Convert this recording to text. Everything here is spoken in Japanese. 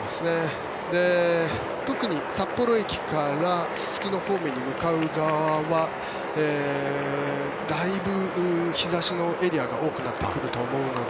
特に札幌駅からすすきの方面に向かう側はだいぶ日差しのエリアが多くなってくると思うので。